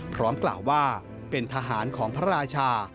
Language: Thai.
พร้อมกล่าวว่าเป็นทหารของพระราชา